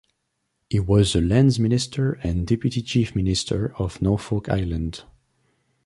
He was the Lands Minister and Deputy Chief Minister of Norfolk Island.